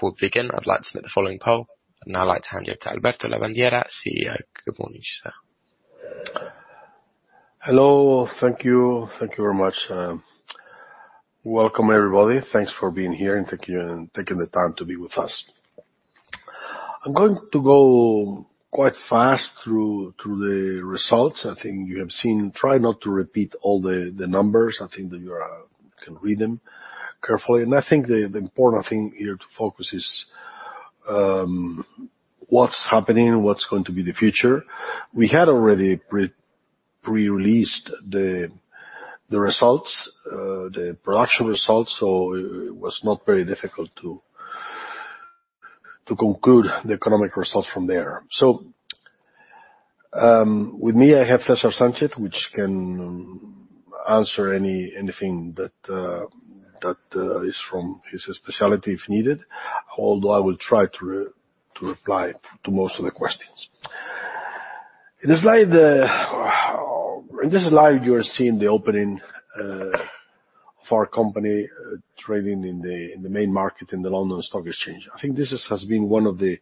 Before we begin, I'd like to make the following poll, and I'd like to hand you to Alberto Lavandeira, CEO. Good morning, sir. Hello. Thank you. Thank you very much. Welcome, everybody. Thanks for being here, and thank you and taking the time to be with us. I'm going to go quite fast through the results. I think you have seen, try not to repeat all the numbers. I think that you can read them carefully. And I think the important thing here to focus is what's happening, what's going to be the future. We had already pre-released the results, the production results, so it was not very difficult to conclude the economic results from there. So, with me, I have César Sánchez, which can answer anything that is from his specialty if needed, although I will try to reply to most of the questions. In this slide, you are seeing the opening for our company trading in the main market in the London Stock Exchange. I think this has been one of the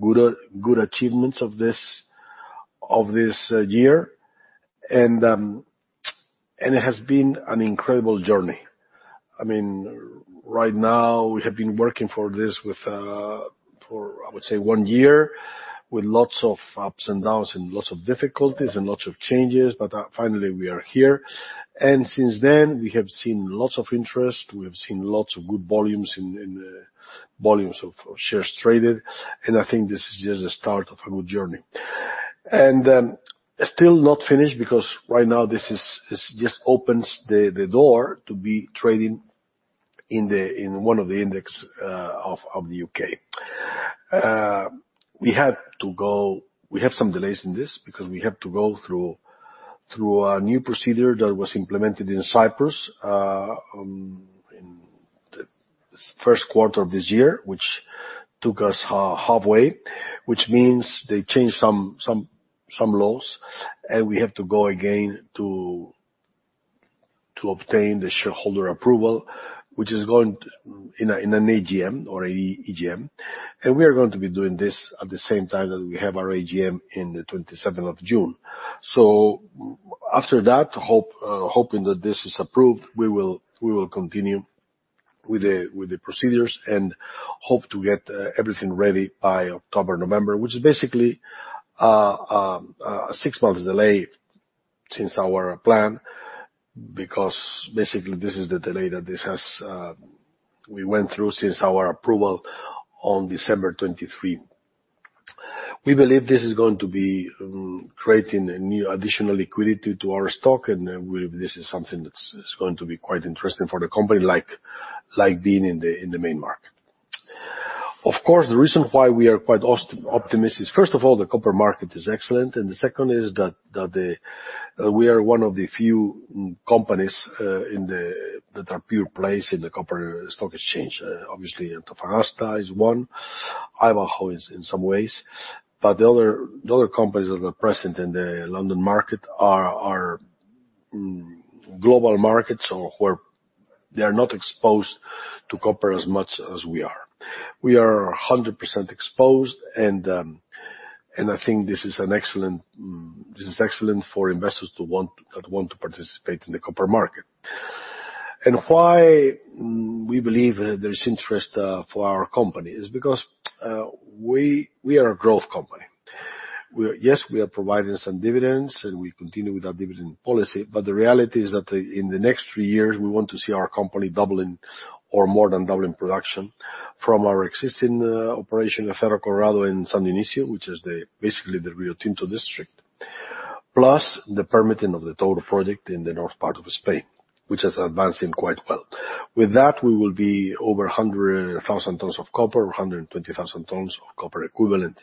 good achievements of this year, and it has been an incredible journey. I mean, right now, we have been working for this for, I would say, one year, with lots of ups and downs and lots of difficulties and lots of changes, but finally, we are here. And since then, we have seen lots of interest, we have seen lots of good volumes in volumes of shares traded, and I think this is just the start of a good journey. Still not finished, because right now, this just opens the door to be trading in one of the index of the U.K. We have some delays in this, because we have to go through a new procedure that was implemented in Cyprus in the first quarter of this year, which took us halfway, which means they changed some laws, and we have to go again to obtain the shareholder approval, which is going in an AGM or AEGM. And we are going to be doing this at the same time that we have our AGM in the 27th of June. So after that, hoping that this is approved, we will continue with the procedures and hope to get everything ready by October, November, which is basically six months delay since our plan, because basically, this is the delay that this has we went through since our approval on December 2023. We believe this is going to be creating a new additional liquidity to our stock, and this is something that's is going to be quite interesting for the company, like, like being in the main market. Of course, the reason why we are quite optimistic is, first of all, the copper market is excellent, and the second is that the we are one of the few companies in the that are pure plays in the copper stock exchange. Obviously, Antofagasta is one, Ivanhoe is in some ways, but the other companies that are present in the London market are Glencore or where they are not exposed to copper as much as we are. We are 100% exposed, and I think this is excellent for investors that want to participate in the copper market. And why we believe there is interest for our company is because we are a growth company. Yes, we are providing some dividends, and we continue with our dividend policy, but the reality is that in the next three years, we want to see our company doubling or more than doubling production from our existing operation at Cerro Colorado and San Dionisio, which is basically the Rio Tinto District, plus the permitting of the Touro project in the north part of Spain, which is advancing quite well. With that, we will be over 100,000 tons of copper, 120,000 tons of copper equivalent.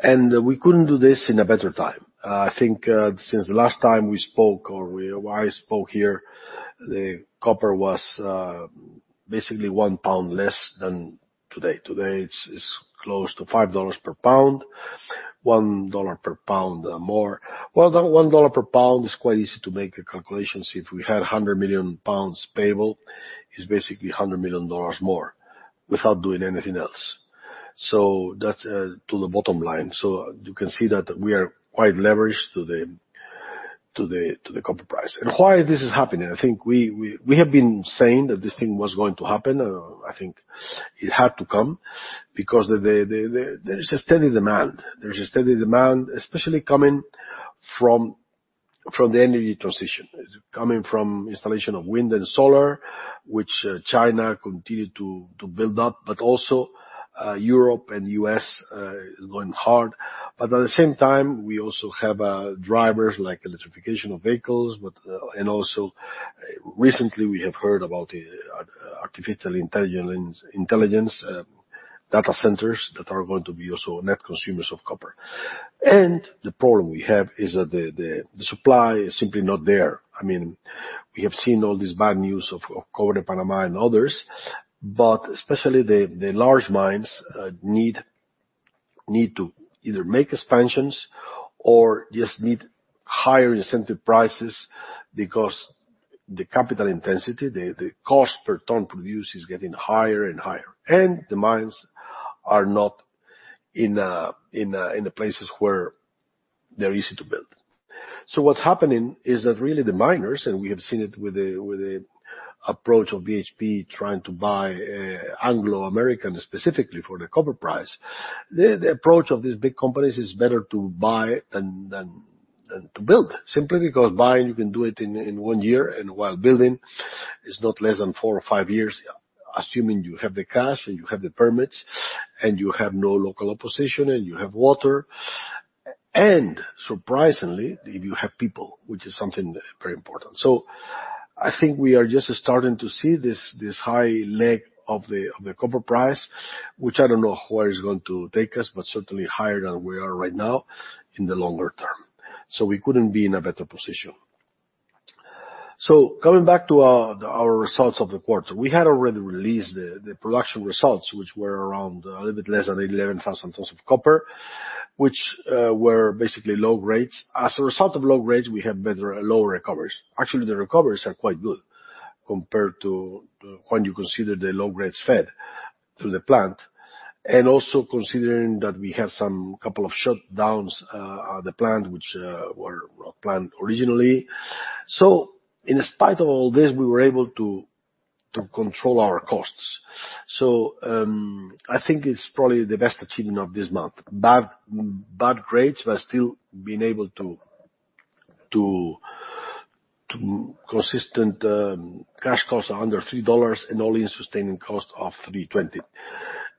And we couldn't do this in a better time. I think since the last time we spoke or I spoke here, the copper was basically 1 lbs less than today. Today, it's close to $5 per lbs, $1 per lbsmore. Well, $1 per lbs is quite easy to make the calculations. If we had 100,000,000 lbs payable, it's basically $100 million more without doing anything else. So that's to the bottom line. So you can see that we are quite leveraged to the copper price. And why this is happening? I think we have been saying that this thing was going to happen, and I think it had to come because there is a steady demand. There is a steady demand, especially coming from the energy transition. It's coming from installation of wind and solar, which China continued to build up, but also Europe and U.S. going hard. But at the same time, we also have drivers like electrification of vehicles, but, and also, recently, we have heard about artificial intelligence, data centers that are going to be also net consumers of copper. And the problem we have is that the supply is simply not there. I mean, we have seen all these bad news of Cobre Panamá and others, but especially the large mines need to either make expansions or just need higher incentive prices because the capital intensity, the cost per ton produced is getting higher and higher. And the mines are not in the places where they're easy to build. So what's happening is that really the miners, and we have seen it with the approach of BHP trying to buy Anglo American, specifically for the copper price. The approach of these big companies is better to buy than to build, simply because buying you can do it in one year, and while building is not less than four or five years, assuming you have the cash, and you have the permits, and you have no local opposition, and you have water. And surprisingly, you have people, which is something very important. So I think we are just starting to see this high leg of the copper price, which I don't know where it's going to take us, but certainly higher than we are right now in the longer term. So we couldn't be in a better position. So coming back to our results of the quarter. We had already released the production results, which were around a little bit less than 11,000 tons of copper, which were basically low grades. As a result of low grades, we have better low recoveries. Actually, the recoveries are quite good compared to when you consider the low grades fed to the plant, and also considering that we had a couple of shutdowns at the plant, which were not planned originally. So in spite of all this, we were able to control our costs. So, I think it's probably the best achievement of this month. Bad, bad grades, but still being able to consistently cash costs are under $3 and all-in sustaining cost of $3.20.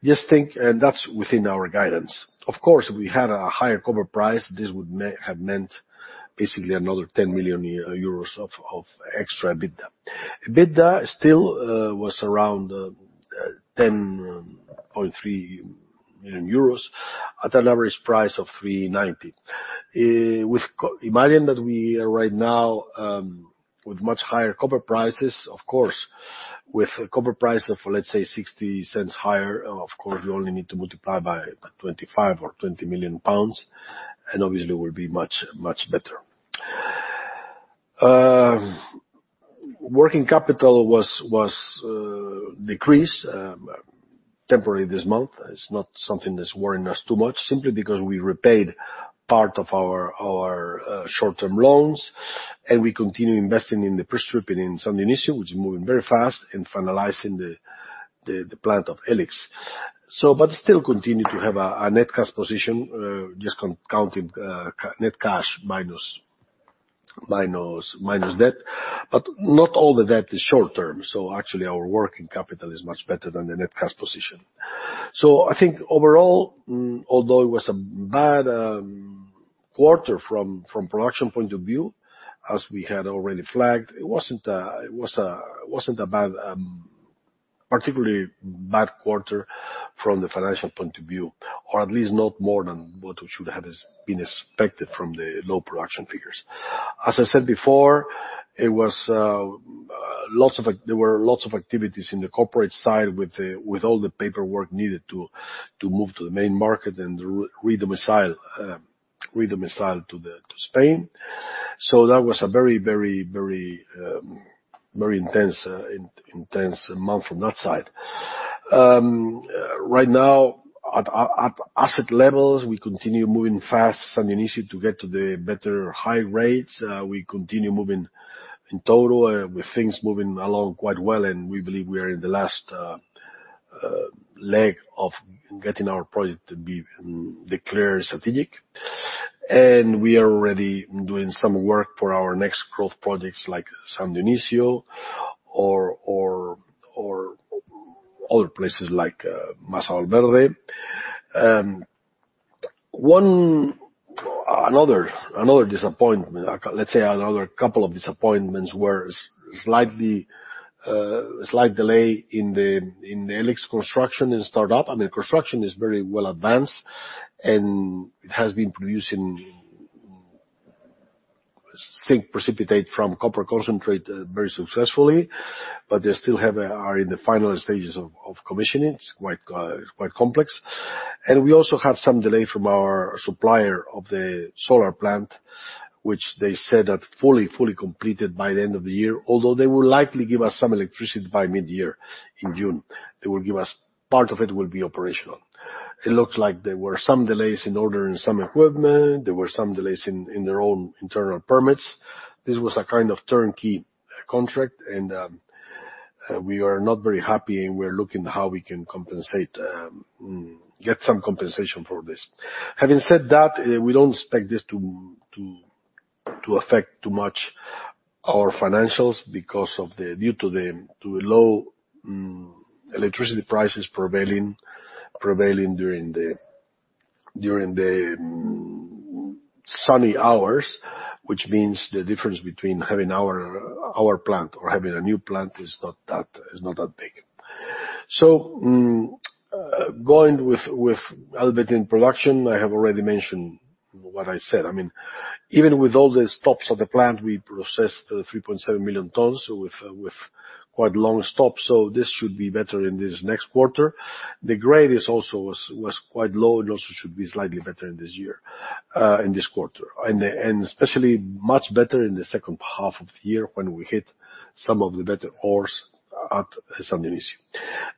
Just think, and that's within our guidance. Of course, if we had a higher copper price, this would have meant basically another 10 million euros of extra EBITDA. EBITDA still was around 10.3 million euros at an average price of $3.90. Imagine that we are right now with much higher copper prices, of course, with a copper price of, let's say, $0.60 higher, of course, you only need to multiply by 25 or 20 million pounds, and obviously will be much, much better. Working capital was decreased temporarily this month. It's not something that's worrying us too much simply because we repaid part of our short-term loans, and we continue investing in the pre-stripping in San Dionisio, which is moving very fast and finalizing the plant of E-LIX. So but still continue to have a net cash position, just counting net cash minus, minus, minus debt, but not all the debt is short term, so actually, our working capital is much better than the net cash position. So I think overall, although it was a bad quarter from production point of view, as we had already flagged, it wasn't it wasn't a bad particularly bad quarter from the financial point of view, or at least not more than what should have been expected from the low production figures. As I said before, there were lots of activities in the corporate side with all the paperwork needed to move to the main market and redomicile to Spain. So that was a very, very, very, very intense month from that side. Right now, at asset levels, we continue moving fast San Dionisio to get to the better high rates. We continue moving in Touro, with things moving along quite well, and we believe we are in the last leg of getting our project to be declared strategic. We are already doing some work for our next growth projects like San Dionisio or other places like Masa Valverde. Another disappointment, let's say another couple of disappointments were a slight delay in the E-LIX construction and startup. I mean, construction is very well advanced, and it has been producing zinc precipitate from copper concentrate very successfully, but they still are in the final stages of commissioning. It's quite complex. And we also have some delay from our supplier of the solar plant, which they said that fully completed by the end of the year, although they will likely give us some electricity by mid-year in June. They will give us... Part of it will be operational. It looks like there were some delays in ordering some equipment. There were some delays in their own internal permits. This was a kind of turnkey contract, and we are not very happy, and we're looking how we can compensate, get some compensation for this. Having said that, we don't expect this to affect too much our financials because of the- due to the low electricity prices prevailing during the sunny hours, which means the difference between having our plant or having a new plant is not that big. So, going with a little bit in production, I have already mentioned what I said. I mean even with all the stops of the plant, we processed 3.7 million tons, so with quite long stops, so this should be better in this next quarter. The grade also was quite low and also should be slightly better in this year, in this quarter. Especially much better in the second half of the year when we hit some of the better ores at San Dionisio.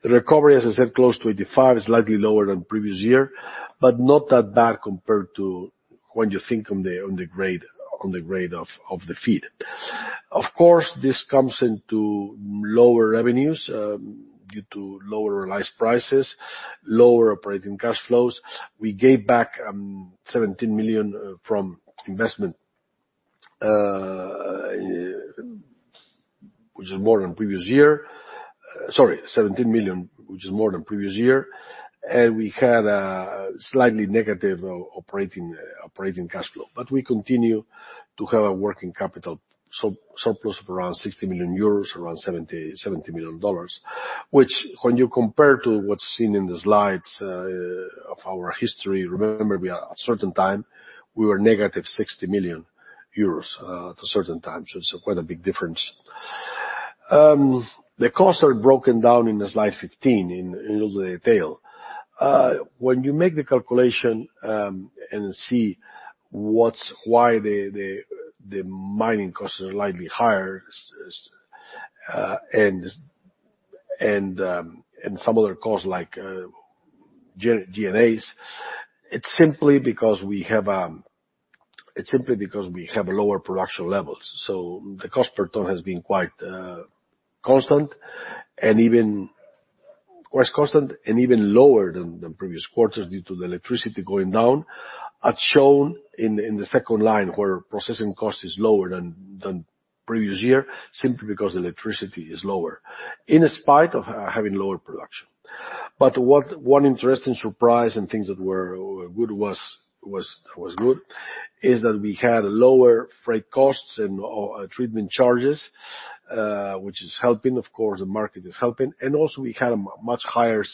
The recovery, as I said, close to 85%, is slightly lower than previous year, but not that bad compared to when you think on the grade of the feed. Of course, this comes into lower revenues due to lower realized prices, lower operating cash flows. We gave back $17 million from investment, which is more than previous year. Sorry, $17 million, which is more than previous year. We had a slightly negative operating cash flow. But we continue to have a working capital surplus of around 60 million euros, around $70 million, which when you compare to what's seen in the slides of our history, remember, we are at a certain time, we were negative 60 million euros at a certain time, so it's quite a big difference. The costs are broken down in the slide 15, in all the detail. When you make the calculation and see why the mining costs are slightly higher and some other costs like G&As, it's simply because we have lower production levels. So the cost per ton has been quite constant, and even quite constant and even lower than the previous quarters due to the electricity going down, as shown in the second line, where processing cost is lower than previous year, simply because the electricity is lower, in spite of having lower production. But what one interesting surprise and things that were good was good is that we had lower freight costs and or treatment charges, which is helping. Of course, the market is helping. And also we had a much higher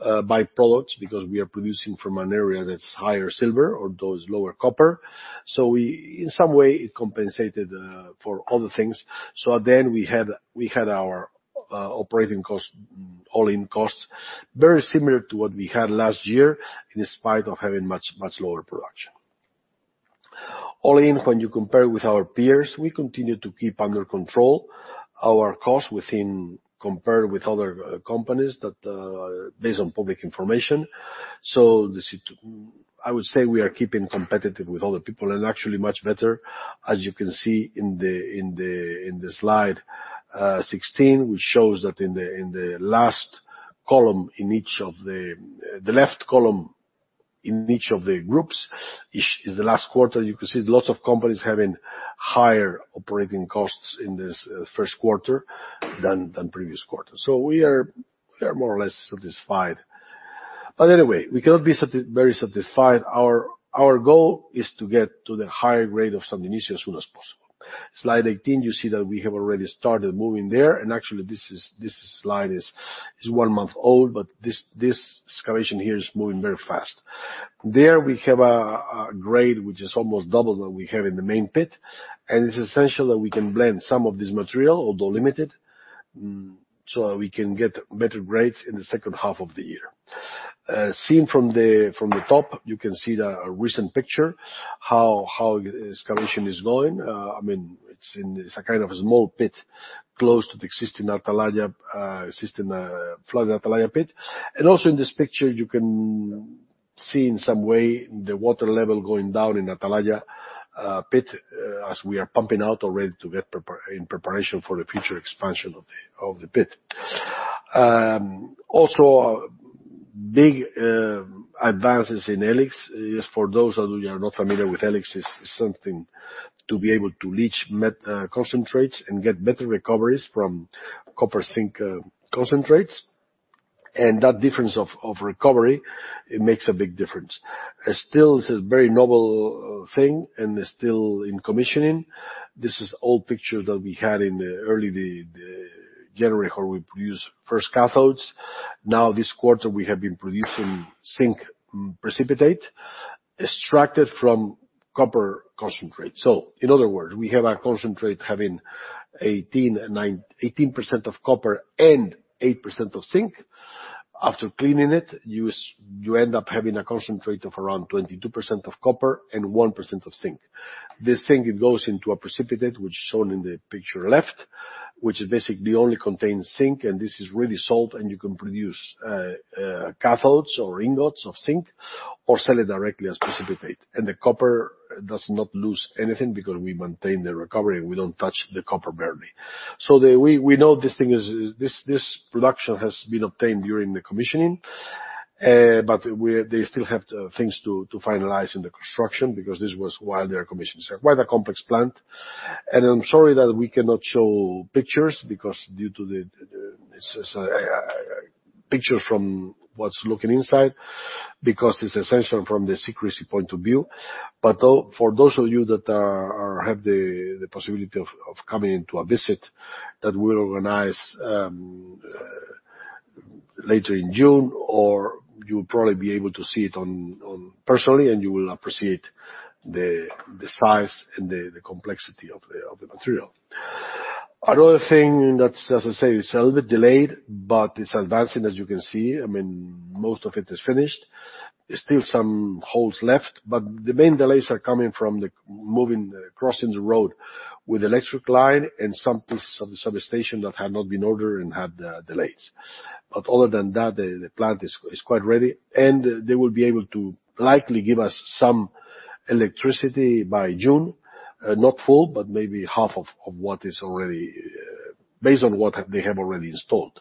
silver byproducts because we are producing from an area that's higher silver, although it's lower copper. So we in some way it compensated for other things. So at the end, we had our operating costs, all-in costs, very similar to what we had last year, in spite of having much, much lower production. All in, when you compare with our peers, we continue to keep under control our costs within... compared with other companies that, based on public information. So this is, I would say we are keeping competitive with other people, and actually much better, as you can see in the slide 16, which shows that in the last column, in each of the left column, in each of the groups, is the last quarter. You can see lots of companies having higher operating costs in this first quarter than previous quarter. So we are more or less satisfied. But anyway, we cannot be satisfied very satisfied. Our goal is to get to the higher grade of San Dionisio as soon as possible. Slide 18, you see that we have already started moving there, and actually this slide is one month old, but this excavation here is moving very fast. There we have a grade which is almost double than we have in the main pit, and it's essential that we can blend some of this material, although limited, so that we can get better grades in the second half of the year. Seen from the top, you can see the recent picture, how excavation is going. I mean, it's a kind of a small pit close to the existing Atalaya, existing flooded Atalaya pit. Also in this picture, you can see in some way the water level going down in Atalaya pit, as we are pumping out already to get in preparation for the future expansion of the pit. Also, big advances in E-LIX. For those of you who are not familiar with E-LIX, is something to be able to leach metal concentrates and get better recoveries from copper, zinc concentrates. And that difference of recovery, it makes a big difference. Still, this is a very novel thing and is still in commissioning. This is old picture that we had in the early January, where we produced first cathodes. Now, this quarter, we have been producing zinc precipitate, extracted from copper concentrate. So in other words, we have a concentrate having 18.9%-18% of copper and 8% of zinc. After cleaning it, you end up having a concentrate of around 22% of copper and 1% of zinc. This zinc, it goes into a precipitate, which is shown in the picture left, which is basically only contains zinc, and this is really sold, and you can produce cathodes or ingots of zinc, or sell it directly as precipitate. And the copper does not lose anything because we maintain the recovery, and we don't touch the copper barely. So we know this production has been obtained during the commissioning, but they still have things to finalize in the construction because this was while the commissioning is quite a complex plant. I'm sorry that we cannot show pictures because due to the, it's a picture from what's looking inside, because it's essential from the secrecy point of view. But for those of you that have the possibility of coming into a visit that we'll organize later in June, or you'll probably be able to see it in person, and you will appreciate the size and the complexity of the material. Another thing that's, as I say, it's a little bit delayed, but it's advancing, as you can see. I mean, most of it is finished. There's still some holes left, but the main delays are coming from the moving, crossing the road with electric line and some pieces of the substation that had not been ordered and had delays. But other than that, the plant is quite ready, and they will be able to likely give us some electricity by June. Not full, but maybe half of what is already based on what they have already installed.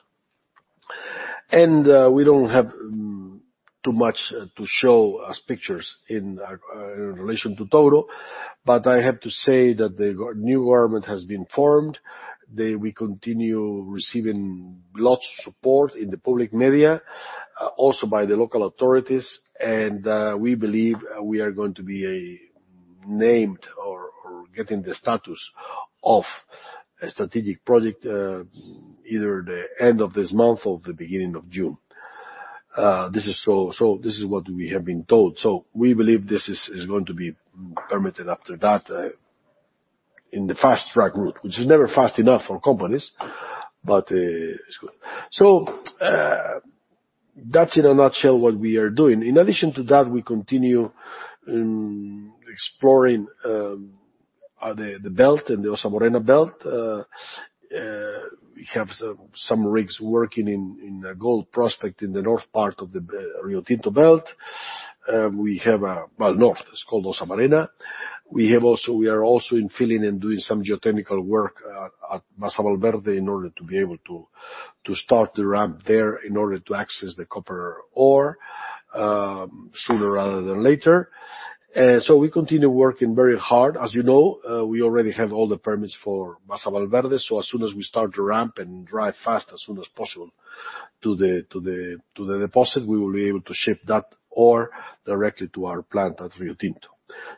And we don't have too much to show as pictures in relation to Touro, but I have to say that the new government has been formed. They... We continue receiving lots of support in the public media, also by the local authorities, and we believe we are going to be named or getting the status of a strategic project, either the end of this month or the beginning of June. This is so, so this is what we have been told. So we believe this is going to be permitted after that in the fast-track route, which is never fast enough for companies, but it's good. So that's in a nutshell what we are doing. In addition to that, we continue exploring the belt and the Ossa-Morena belt. We have some rigs working in a gold prospect in the north part of the Rio Tinto belt. Well, north, it's called Ossa-Morena. We are also infilling and doing some geotechnical work at Masa Valverde in order to be able to start the ramp there in order to access the copper ore sooner rather than later. So we continue working very hard. As you know, we already have all the permits for Masa Valverde, so as soon as we start to ramp and drive fast, as soon as possible to the deposit, we will be able to ship that ore directly to our plant at Rio Tinto.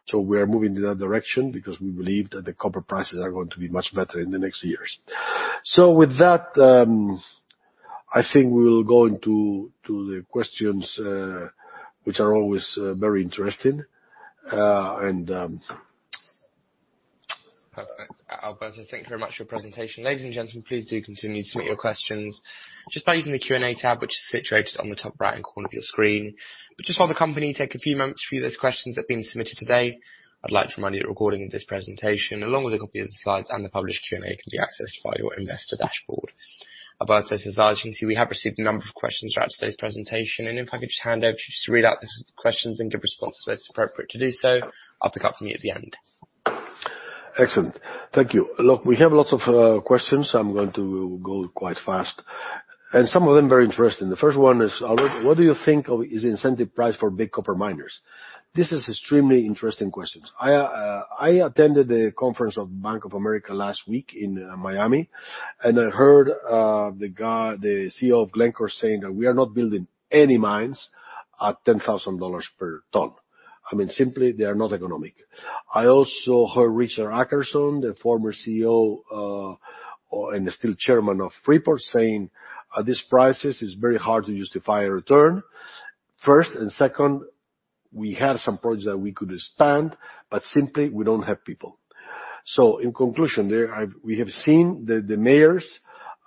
So we are moving in that direction because we believe that the copper prices are going to be much better in the next years. So with that, I think we will go into the questions, which are always very interesting, and Perfect. Alberto, thank you very much for your presentation. Ladies and gentlemen, please do continue to submit your questions just by using the Q&A tab, which is situated on the top right-hand corner of your screen. But just while the company take a few moments to view those questions that have been submitted today, I'd like to remind you that recording of this presentation, along with a copy of the slides and the published Q&A, can be accessed via your Investor dashboard. Alberto, as you can see, we have received a number of questions throughout today's presentation, and if I could just hand over to you just to read out the questions and give responses, it's appropriate to do so. I'll pick up from you at the end. Excellent. Thank you. Look, we have lots of questions. I'm going to go quite fast, and some of them very interesting. The first one is: "What, what do you think of is the incentive price for big copper miners?" This is extremely interesting questions. I attended the conference of Bank of America last week in Miami, and I heard the guy, the CEO of Glencore, saying that we are not building any mines at $10,000 per ton. I mean, simply, they are not economic. I also heard Richard Adkerson, the former CEO, or and still chairman of Freeport, saying, "At this prices, it's very hard to justify a return, first. Second, we had some projects that we could expand, but simply we don't have people. So in conclusion, we have seen the miners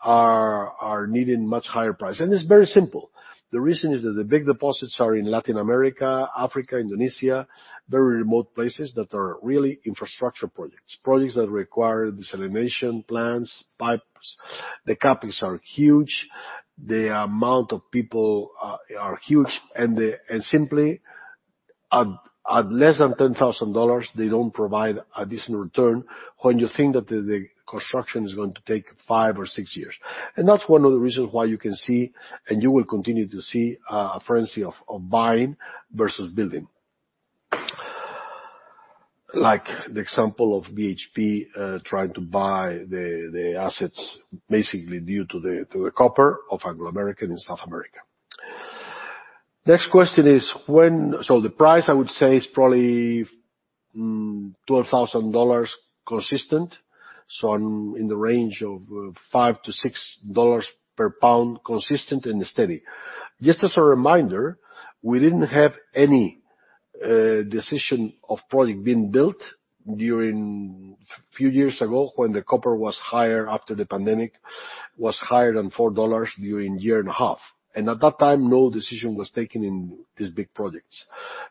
are needing much higher price, and it's very simple. The reason is that the big deposits are in Latin America, Africa, Indonesia, very remote places that are really infrastructure projects, projects that require desalination plants, pipes. The CapEx are huge. The amount of people are huge, and simply, at less than $10,000, they don't provide a decent return when you think that the construction is going to take five or six years. And that's one of the reasons why you can see, and you will continue to see, a frenzy of buying versus building. Like the example of BHP, trying to buy the, the assets, basically due to the, to the copper of Anglo American in South America. Next question is when... So the price, I would say, is probably, $12,000 consistent, so in, in the range of $5-$6 per lb, consistent and steady. Just as a reminder, we didn't have any, decision of project being built during few years ago, when the copper was higher, after the pandemic, was higher than $4 during year and a half. And at that time, no decision was taken in these big projects.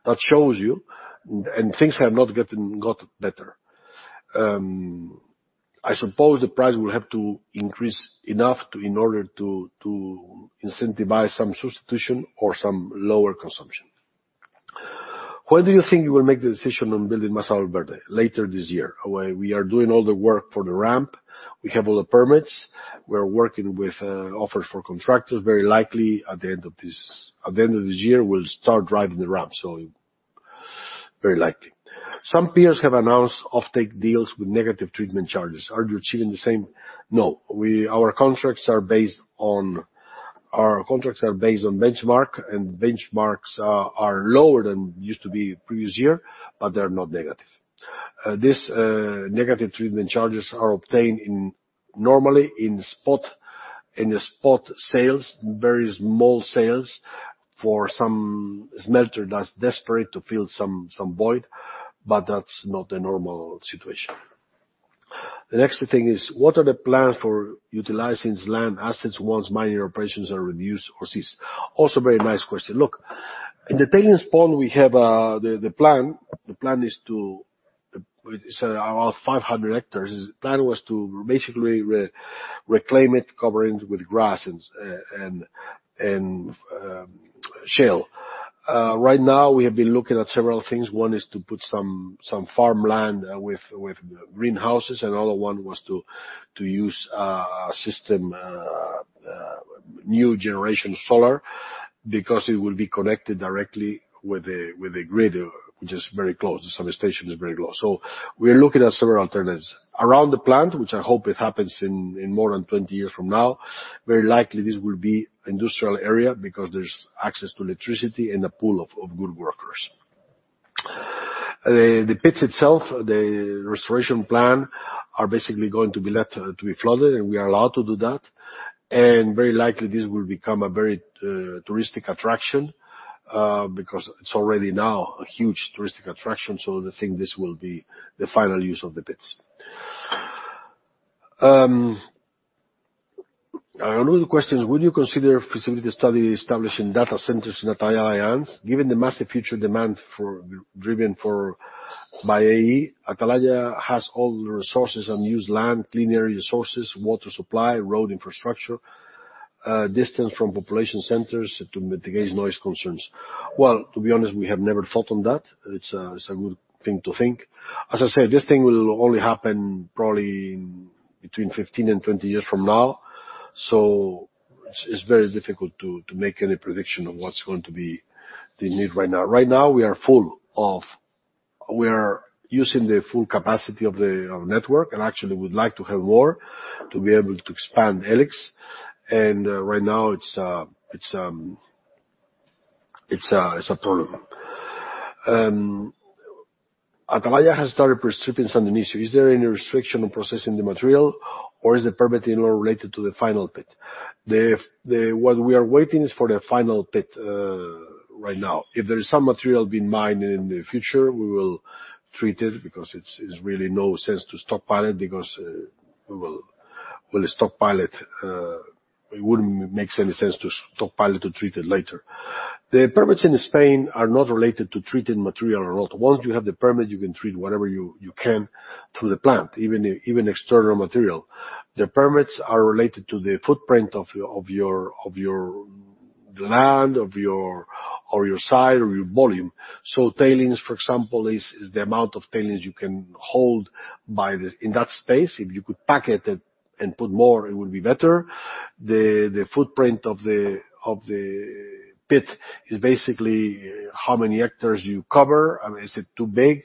That shows you, and things have not gotten, got better. I suppose the price will have to increase enough to, in order to, to incentivize some substitution or some lower consumption. When do you think you will make the decision on building Masa Valverde?" Later this year. We are doing all the work for the ramp. We have all the permits. We're working with offers for contractors. Very likely, at the end of this, at the end of this year, we'll start driving the ramp. So very likely. "Some peers have announced offtake deals with negative treatment charges. Are you achieving the same?" No. Our contracts are based on, our contracts are based on benchmark, and benchmarks are lower than used to be previous year, but they're not negative. This negative treatment charges are obtained in, normally in spot, in the spot sales, very small sales for some smelter that's desperate to fill some void, but that's not the normal situation. The next thing is, what are the plan for utilizing land assets once mining operations are reduced or ceased? Also, very nice question. Look, in the tailings pond, we have the plan is to—it's about 500 hectares. The plan was to basically reclaim it, cover it with grass and shale. Right now, we have been looking at several things. One is to put some farmland with greenhouses, another one was to use a system, new generation solar, because it will be connected directly with the grid, which is very close, the solar station is very close. So we are looking at several alternatives. Around the plant, which I hope it happens in, in more than 20 years from now, very likely this will be industrial area because there's access to electricity and a pool of good workers. The pits itself, the restoration plan are basically going to be left to be flooded, and we are allowed to do that. Very likely this will become a very touristic attraction because it's already now a huge touristic attraction, so I think this will be the final use of the pits. Another question is: Would you consider feasibility study establishing data centers in Atalaya mines? Given the massive future demand for- driven for- by IE, Atalaya has all the resources and used land, clean area resources, water supply, road infrastructure, distance from population centers to mitigate noise concerns. Well, to be honest, we have never thought on that. It's a good thing to think. As I said, this thing will only happen probably between 15 and 20 years from now. So it's very difficult to make any prediction of what's going to be the need right now. Right now, we are full of- we are using the full capacity of our network, and actually would like to have more to be able to expand E-LIX. And right now, it's a problem. Atalaya has started purchasing some initiative. Is there any restriction on processing the material, or is the permit in all related to the final pit? What we are waiting is for the final pit right now. If there is some material being mined in the future, we will treat it because it's really no sense to stockpile it, because we will, we'll stockpile it. It wouldn't makes any sense to stockpile it, to treat it later. The permits in Spain are not related to treating material at all. Once you have the permit, you can treat whatever you can through the plant, even even external material. The permits are related to the footprint of your land, or your site or your volume. So tailings, for example, is the amount of tailings you can hold by the... In that space, if you could pack it and put more, it would be better. The footprint of the pit is basically how many hectares you cover. I mean, is it too big?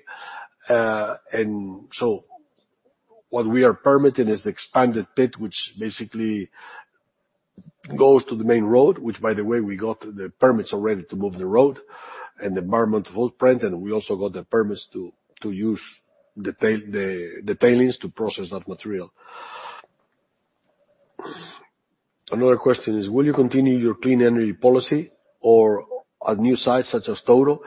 So what we are permitting is the expanded pit, which basically goes to the main road, which, by the way, we got the permits already to move the road and environmental footprint, and we also got the permits to use the tailings to process that material. Another question is, will you continue your clean energy policy or at new sites such as Touro,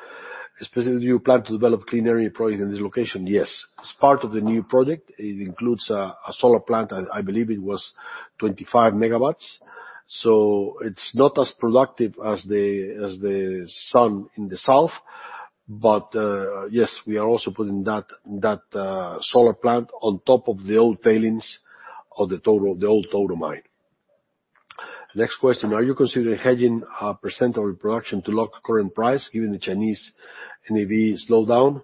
especially, do you plan to develop clean energy project in this location? Yes. As part of the new project, it includes a solar plant, I believe it was 25 MW. So it's not as productive as the sun in the south. But yes, we are also putting that solar plant on top of the old tailings of the Touro, the old Touro mine. Next question: Are you considering hedging a percent of your production to lock current price, given the Chinese NAV slowdown?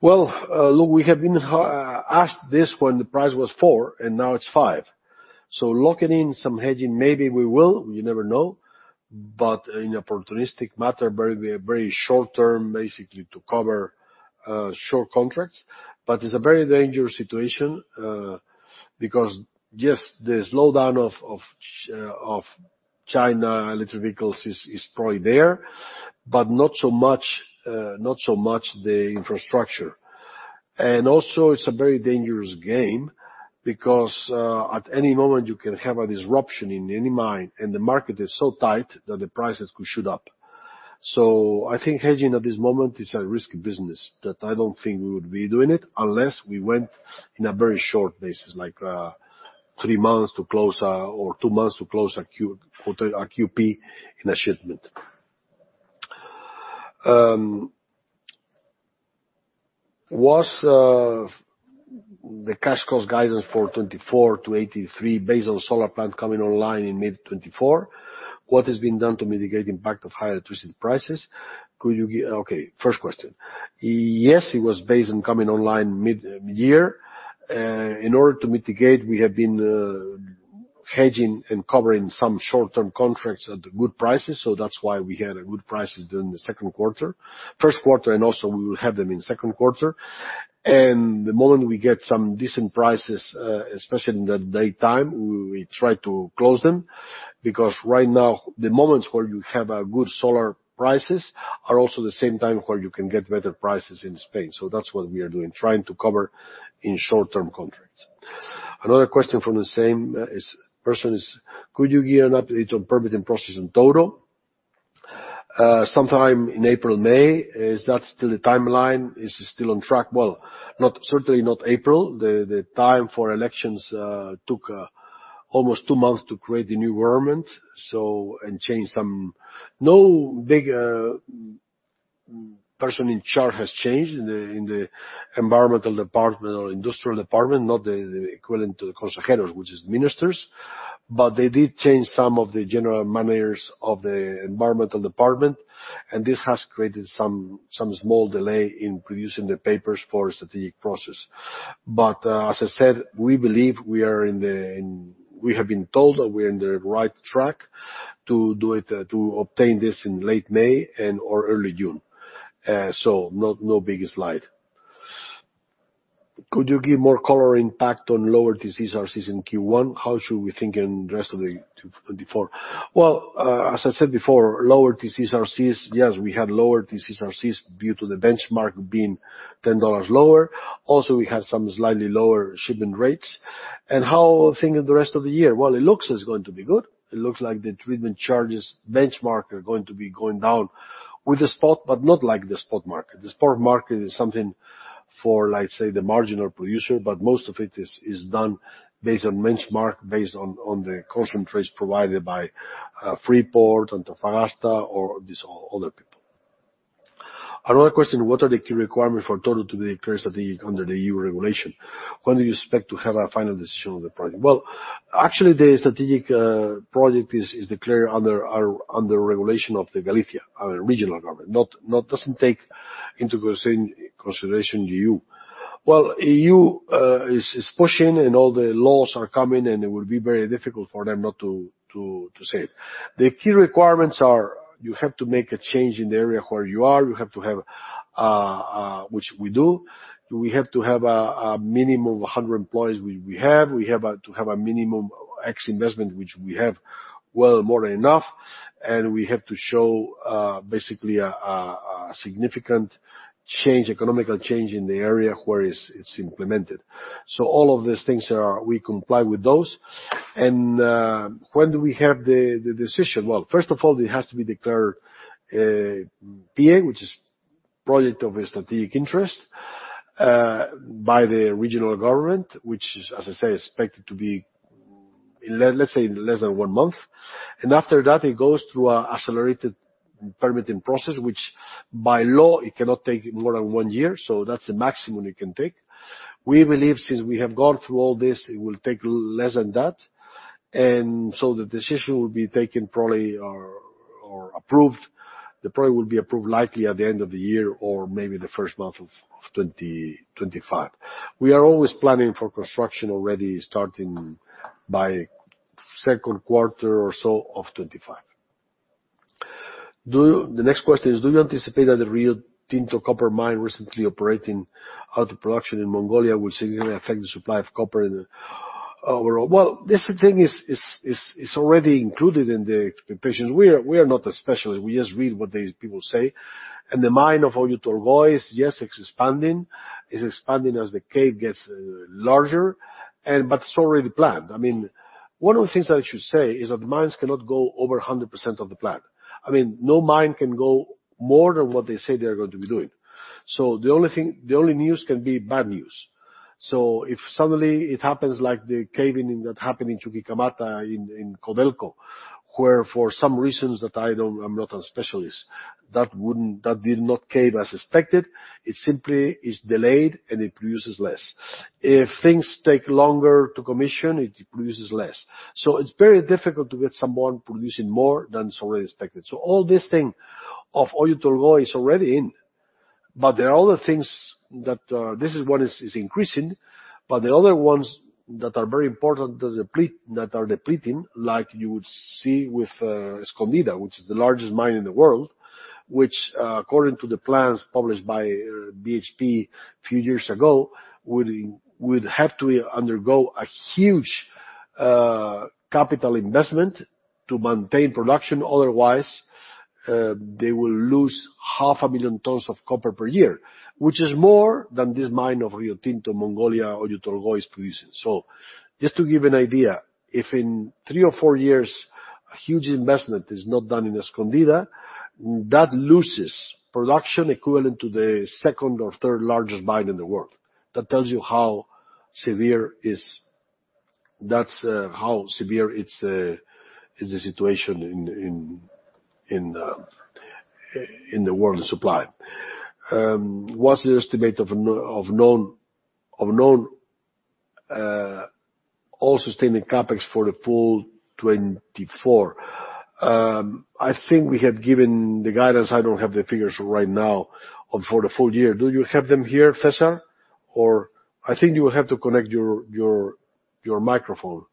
Well, look, we have been asked this when the price was $4, and now it's $5. So locking in some hedging, maybe we will, you never know, but in an opportunistic matter, very, very short term, basically to cover short contracts. But it's a very dangerous situation, because, yes, the slowdown of China electric vehicles is probably there, but not so much the infrastructure. And also, it's a very dangerous game because, at any moment you can have a disruption in any mine, and the market is so tight that the prices could shoot up. I think hedging at this moment is a risky business, that I don't think we would be doing it unless we went in a very short basis, like, three months to close, or two months to close a QP in a shipment. Was the cash cost guidance for 2024 to 83 based on solar plant coming online in mid-2024? What has been done to mitigate impact of higher electricity prices? Could you gi- okay, first question. Yes, it was based on coming online mid year. In order to mitigate, we have been hedging and covering some short-term contracts at the good prices, so that's why we had good prices during the first quarter, and also we will have them in second quarter. And the moment we get some decent prices, especially in the daytime, we, we try to close them, because right now, the moments where you have a good solar prices are also the same time where you can get better prices in Spain. So that's what we are doing, trying to cover in short-term contracts.... Another question from the same person is: Could you give an update on permitting process in Touro, sometime in April, May? Is that still the timeline, is it still on track? Well, not certainly not April. The time for elections took almost two months to create the new government, so and change some—no big person in charge has changed in the environmental department or industrial department, not the equivalent to the consejeros, which is ministers. But they did change some of the general managers of the environmental department, and this has created some small delay in producing the papers for strategic process. But, as I said, we believe we are in the—we have been told that we are in the right track to do it, to obtain this in late May and or early June. So not, no big slide. Could you give more color impact on lower TC/RCs in Q1? How should we think in the rest of 2024? Well, as I said before, lower TC/RCs, yes, we had lower TC/RCs due to the benchmark being $10 lower. Also, we had some slightly lower shipment rates. And how things in the rest of the year? Well, it looks it's going to be good. It looks like the treatment charges benchmark are going to be going down with the spot, but not like the spot market. The spot market is something for, let's say, the marginal producer, but most of it is done based on benchmark, based on the concentrates provided by Freeport and Antofagasta or these other people. Another question: What are the key requirements for Touro to be declared strategic under the EU regulation? When do you expect to have a final decision on the project? Well, actually, the strategic project is declared under regulation of the Galicia, our regional government, not doesn't take into consideration EU. Well, EU is pushing, and all the laws are coming, and it will be very difficult for them not to say it. The key requirements are you have to make a change in the area where you are, which we do. We have to have a minimum of 100 employees, which we have. We have to have a minimum capex investment, which we have, well, more than enough. And we have to show, basically, a significant economic change in the area where it's implemented. So all of these things are, we comply with those. And when do we have the decision? Well, first of all, it has to be declared PI, which is project of a strategic interest, by the regional government, which is, as I say, expected to be, let's say, in less than one month. After that, it goes through an accelerated permitting process, which by law, it cannot take more than one year, so that's the maximum it can take. We believe, since we have gone through all this, it will take less than that. And so the decision will be taken probably or approved, the project will be approved likely at the end of the year or maybe the first month of 2025. We are always planning for construction already starting by second quarter or so of 2025. Do you... The next question is: Do you anticipate that the Rio Tinto copper mine recently operating out of production in Mongolia will significantly affect the supply of copper in the overall? Well, this thing is already included in the expectations. We are not a specialist, we just read what these people say. The mine of Oyu Tolgoi, yes, it's expanding. It's expanding as the cave gets larger, and but it's already planned. I mean, one of the things that I should say is that the mines cannot go over 100% of the plan. I mean, no mine can go more than what they say they are going to be doing. So the only thing, the only news can be bad news. So if suddenly it happens, like the caving in that happened in Chuquicamata in Codelco, where for some reasons that I don't, I'm not a specialist, that wouldn't, that did not cave as expected, it simply is delayed, and it produces less. If things take longer to commission, it produces less. So it's very difficult to get someone producing more than it's already expected. So all this thing of Oyu Tolgoi is already in, but there are other things that this is what is increasing, but the other ones that are very important, that deplete, that are depleting, like you would see with Escondida, which is the largest mine in the world. Which, according to the plans published by BHP a few years ago, would have to undergo a huge capital investment to maintain production. Otherwise, they will lose 500,000 tons of copper per year, which is more than this mine of Rio Tinto, Mongolia, Oyu Tolgoi is producing. So just to give you an idea, if in three or four years, a huge investment is not done in Escondida, that loses production equivalent to the second or third largest mine in the world. That tells you how severe it is, that's how severe the situation is in the world of supply. What's the estimate of known all-sustaining CapEx for the full 2024? I think we have given the guidance, I don't have the figures right now, for the full year. Do you have them here, César? Or I think you will have to connect your microphone.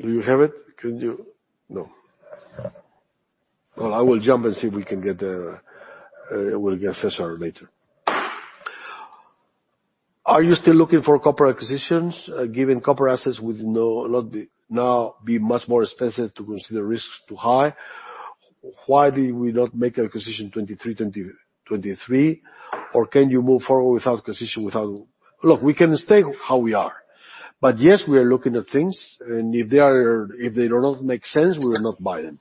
Do you have it? Can you... No. Well, I will jump and see if we can get, we'll get César later.... Are you still looking for copper acquisitions, given copper assets with no, not now be much more expensive to consider risks too high? Why do we not make acquisition 2023, or can you move forward without acquisition, without—look, we can stay how we are. But yes, we are looking at things, and if they are, if they do not make sense, we will not buy them.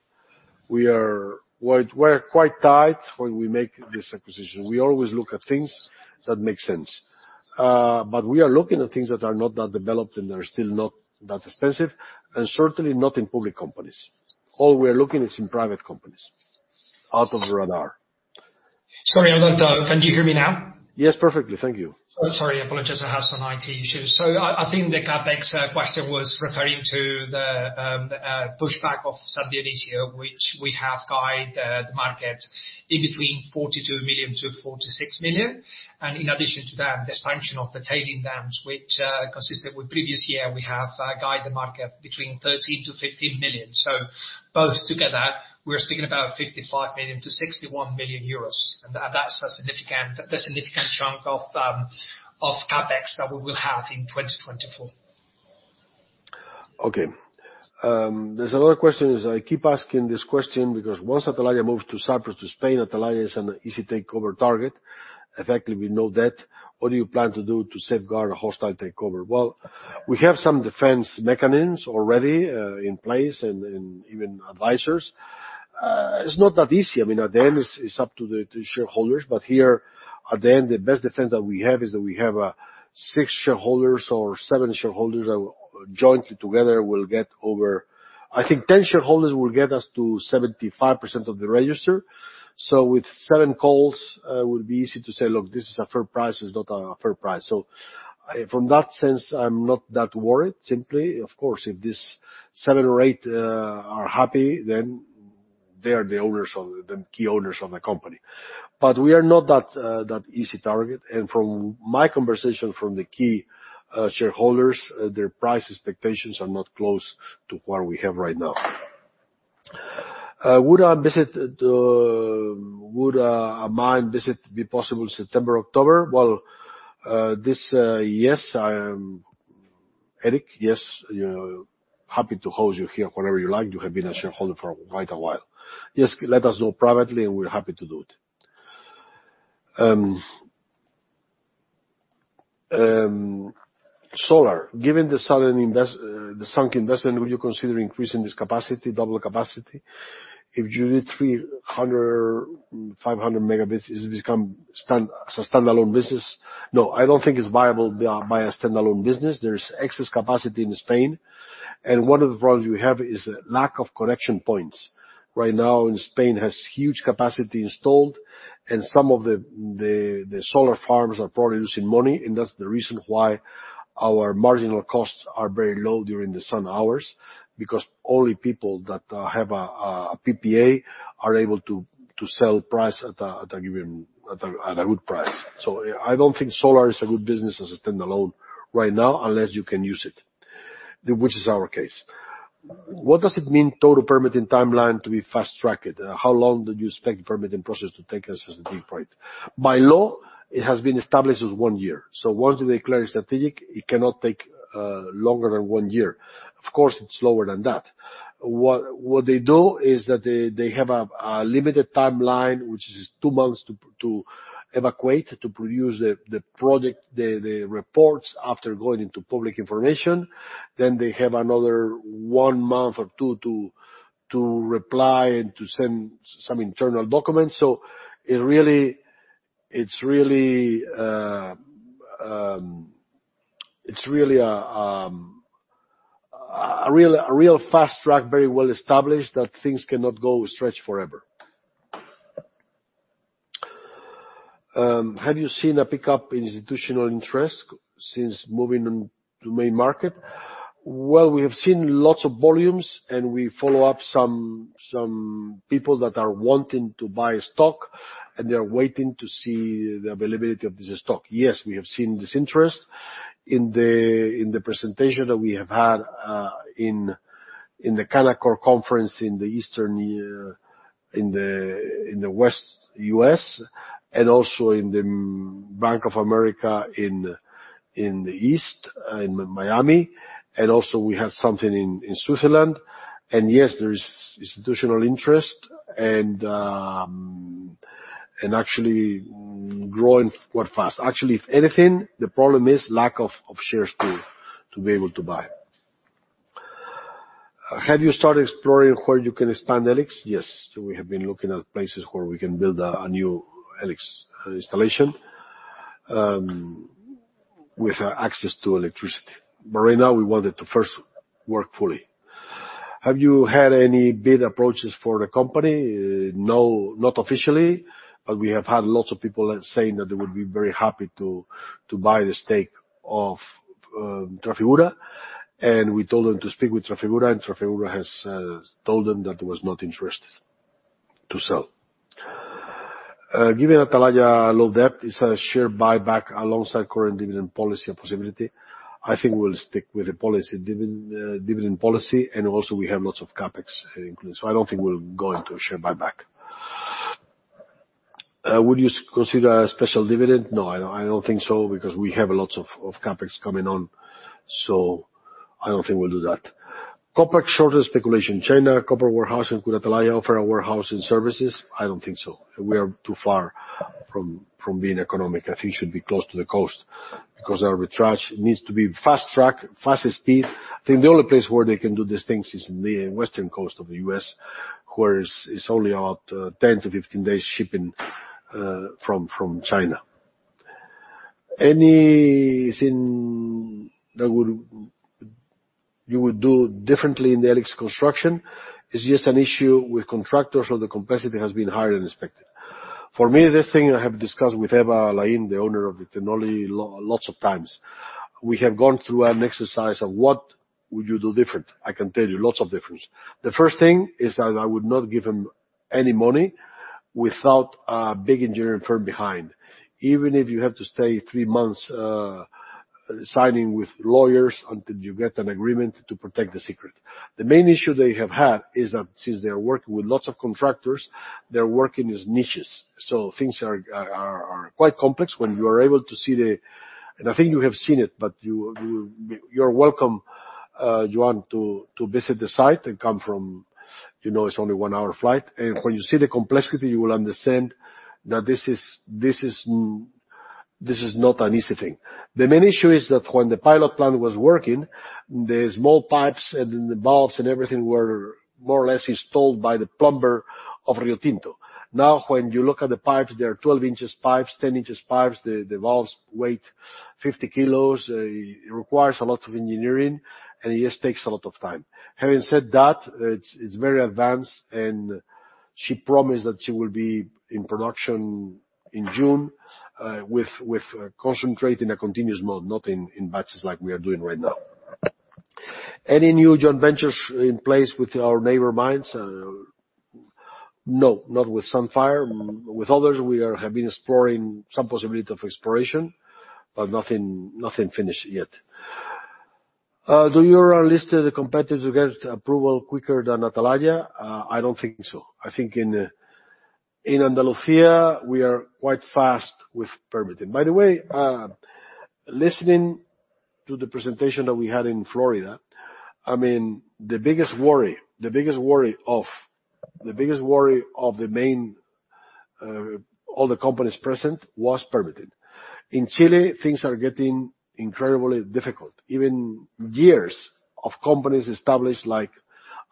We are, we're, we're quite tight when we make this acquisition. We always look at things that make sense. But we are looking at things that are not that developed, and they are still not that expensive, and certainly not in public companies. All we are looking is in private companies, out of the radar. Sorry, Alberto, can you hear me now? Yes, perfectly. Thank you. I'm sorry. I apologize, I have some IT issues. So I think the CapEx question was referring to the pushback of San Dionisio, which we have guided the market in between 42 million-46 million. And in addition to that, the expansion of the tailings dams, which, consistent with previous year, we have guided the market between 13 million-15 million. So both together, we're speaking about 55 million-61 million euros, and that, that's a significant, the significant chunk of CapEx that we will have in 2024. Okay. There's another question is, I keep asking this question because once Atalaya moves to Cyprus, to Spain, Atalaya is an easy takeover target. Effectively, we know that. What do you plan to do to safeguard a hostile takeover? Well, we have some defense mechanisms already, in place and, and even advisors. It's not that easy. I mean, at the end, it's up to the shareholders, but here, at the end, the best defense that we have is that we have six shareholders or seven shareholders that jointly together will get over... I think 10 shareholders will get us to 75% of the register. So with seven calls, it will be easy to say, "Look, this is a fair price. This is not a fair price." So from that sense, I'm not that worried. Simply, of course, if this seven or eight are happy, then they are the owners of the key owners of the company. But we are not that easy target, and from my conversation with the key shareholders, their price expectations are not close to what we have right now. Would a visit, a mine visit be possible September, October? Well, this, yes, I am, Eric, yes, you know, happy to host you here whenever you like. You have been a shareholder for quite a while. Just let us know privately, and we're happy to do it. Solar. Given the sunk investment, would you consider increasing this capacity, double capacity? If you do 300, 500 MW, does it become a standalone business? No, I don't think it's viable by a standalone business. There's excess capacity in Spain, and one of the problems we have is a lack of connection points. Right now, Spain has huge capacity installed, and some of the solar farms are producing money, and that's the reason why our marginal costs are very low during the sun hours, because only people that have a PPA are able to sell price at a good price. So I don't think solar is a good business as a standalone right now, unless you can use it, which is our case. What does it mean Touro permitting timeline to be fast-tracked? How long do you expect the permitting process to take at this point? By law, it has been established as one year. So once they declare it strategic, it cannot take longer than one year. Of course, it's slower than that. What they do is that they have a limited timeline, which is two months to evaluate, to produce the project, the reports after going into public information. Then they have another one month or two to reply and to send some internal documents. So it really is really a real fast track, very well established, that things cannot go stretch forever. Have you seen a pickup in institutional interest since moving on to main market? Well, we have seen lots of volumes, and we follow up some people that are wanting to buy stock, and they are waiting to see the availability of the stock. Yes, we have seen this interest. In the presentation that we have had in the Canaccord conference in the East in the West U.S., and also in the Bank of America in the East in Miami, and also we have something in Switzerland. Yes, there is institutional interest, and actually growing quite fast. Actually, if anything, the problem is lack of shares to be able to buy. Have you started exploring where you can expand E-LIX? Yes. We have been looking at places where we can build a new E-LIX installation with access to electricity. But right now, we want it to first work fully. Have you had any bid approaches for the company? No, not officially, but we have had lots of people saying that they would be very happy to buy the stake of Trafigura, and we told them to speak with Trafigura, and Trafigura has told them that it was not interested to sell. Given Atalaya low debt, is a share buyback alongside current dividend policy a possibility? I think we'll stick with the dividend policy, and also we have lots of CapEx included, so I don't think we'll go into a share buyback. Would you consider a special dividend? No, I don't think so, because we have lots of CapEx coming on, so I don't think we'll do that. Copper shortage speculation, China, copper warehouse in Atalaya offer a warehouse and services? I don't think so. We are too far from being economic. I think it should be close to the coast, because arbitrage needs to be fast track, faster speed. I think the only place where they can do these things is in the western coast of the U.S., where it's only about 10-15 days shipping from China. Anything that you would do differently in the E-LIX construction? Is just an issue with contractors, or the complexity has been higher than expected. For me, this thing I have discussed with Eva Laín, the owner of Lain, lots of times. We have gone through an exercise of what would you do different? I can tell you, lots of difference. The first thing is that I would not give him any money without a big engineering firm behind. Even if you have to stay three months, signing with lawyers until you get an agreement to protect the secret. The main issue they have had is that since they are working with lots of contractors, their working is niches, so things are quite complex. When you are able to see the. And I think you have seen it, but you, you're welcome, you want to visit the site and come from, you know, it's only one hour flight. And when you see the complexity, you will understand that this is not an easy thing. The main issue is that when the pilot plant was working, the small pipes and then the valves and everything were more or less installed by the plumber of Rio Tinto. Now, when you look at the pipes, they are 12-inch pipes, 10-inch pipes, the valves weigh 50 kg. It requires a lot of engineering, and it just takes a lot of time. Having said that, it's very advanced, and she promised that she will be in production in June, with concentrate in a continuous mode, not in batches like we are doing right now. Any new joint ventures in place with our neighbor mines? No, not with Sandfire. With others, we have been exploring some possibility of exploration, but nothing finished yet. Are you listed as competitors who get approval quicker than Atalaya? I don't think so. I think in Andalusia, we are quite fast with permitting. By the way, listening to the presentation that we had in Florida, I mean, the biggest worry of all the companies present was permitting. In Chile, things are getting incredibly difficult. Even years of companies established like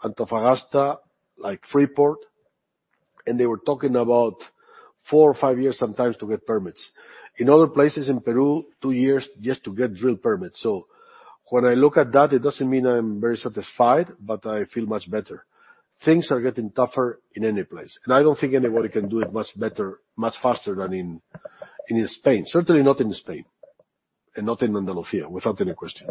Antofagasta, like Freeport, and they were talking about four or five years, sometimes, to get permits. In other places in Peru, two years just to get drill permits. So when I look at that, it doesn't mean I'm very satisfied, but I feel much better. Things are getting tougher in any place, and I don't think anybody can do it much better, much faster than in Spain. Certainly not in Spain, and not in Andalusia, without any question.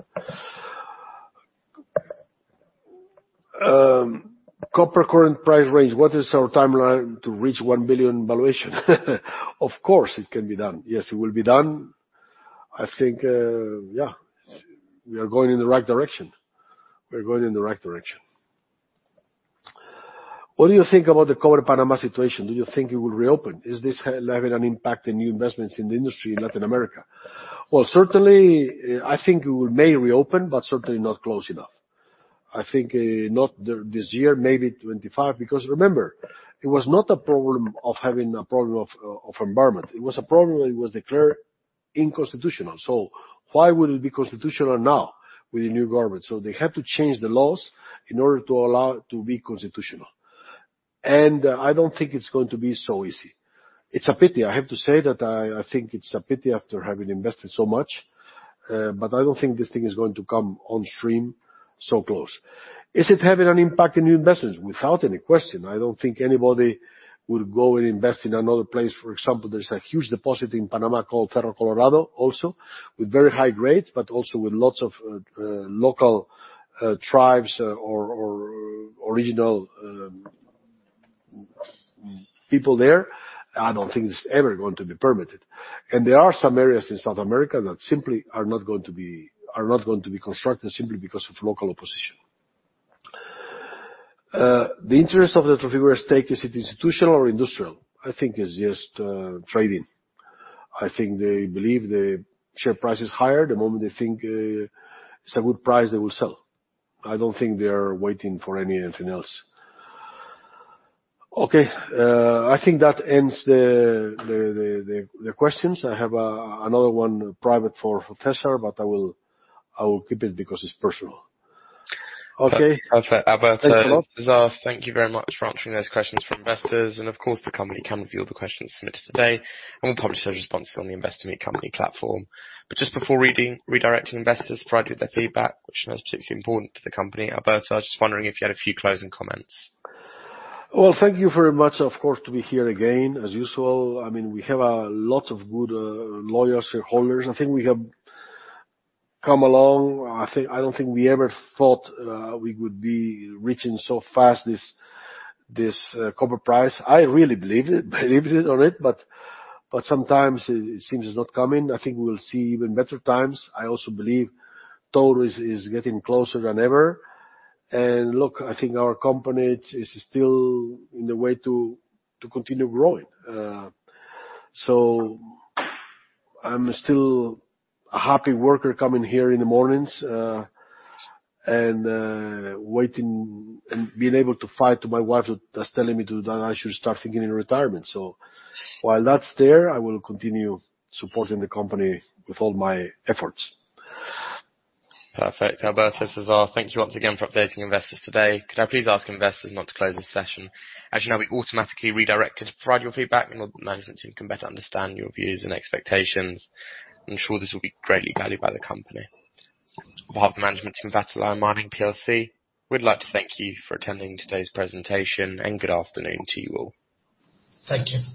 Copper current price range, what is our timeline to reach $1 billion valuation? Of course, it can be done. Yes, it will be done. I think, yeah, we are going in the right direction. We're going in the right direction. What do you think about the Cobre Panamá situation? Do you think it will reopen? Is this having an impact in new investments in the industry in Latin America? Well, certainly, I think we may reopen, but certainly not close enough. I think, not this year, maybe 2025, because remember, it was not a problem of having a problem of, of environment. It was a problem that it was declared unconstitutional. So why would it be constitutional now with the new government? So they had to change the laws in order to allow it to be constitutional. And I don't think it's going to be so easy. It's a pity. I have to say that I think it's a pity after having invested so much, but I don't think this thing is going to come on stream so close. Is it having an impact in new investments? Without any question. I don't think anybody would go and invest in another place. For example, there's a huge deposit in Panama called Cerro Colorado, also with very high rates, but also with lots of local tribes or original people there. I don't think it's ever going to be permitted. And there are some areas in South America that simply are not going to be constructed simply because of local opposition. The interest of the Trafigura stake, is it institutional or industrial? I think it's just trading. I think they believe the share price is higher. The moment they think it's a good price, they will sell. I don't think they are waiting for anything else. Okay, I think that ends the questions. I have another one private for César, but I will keep it because it's personal. Okay. Perfect. Alberto- Thanks a lot. Thank you very much for answering those questions from investors. And of course, the company can review all the questions submitted today, and we'll publish a response on the Investor Meet Company platform. But just before redirecting investors to provide you with their feedback, which is particularly important to the company, Alberto, I was just wondering if you had a few closing comments. Well, thank you very much, of course, to be here again, as usual. I mean, we have a lot of good, loyal shareholders. I think we have come along. I think—I don't think we ever thought we would be reaching so fast this, this, copper price. I really believed it, believed it on it, but, but sometimes it seems it's not coming. I think we will see even better times. I also believe Touro is getting closer than ever, and look, I think our company is still in the way to, to continue growing. So I'm still a happy worker coming here in the mornings, and, waiting and being able to fight to my wife that's telling me to, that I should start thinking in retirement. So while that's there, I will continue supporting the company with all my efforts. Perfect. Alberto, César, thank you once again for updating investors today. Could I please ask investors not to close this session? As you know, we automatically redirect it to provide your feedback, and the management team can better understand your views and expectations. I'm sure this will be greatly valued by the company. On behalf of the management team of Atalaya Mining Plc, we'd like to thank you for attending today's presentation, and good afternoon to you all. Thank you.